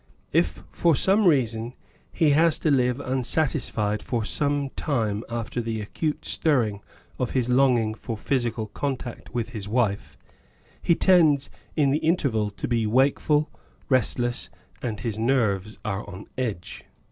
If, for some reason, he has to live unsatis fied for some time after the acute stirring of his longing for physical contact with his wife, he tends in the interval to be wakeful, restless, and his nerves are on edge.